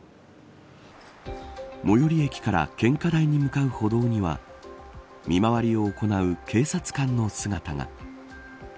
最寄り駅から献花台に向かう歩道には見回りを行う警察官の姿が。